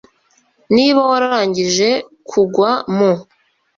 niba wararangije kugwa mu